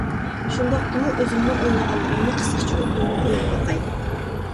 شۇنداقتىمۇ ئۆزۈمنىڭ ئويلىغانلىرىمنى قىسقىچە ئوتتۇرىغا قويۇپ باقاي.